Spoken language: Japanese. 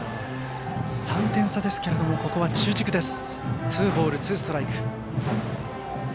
３点差ですけどもここは中軸です。